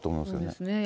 そうですね。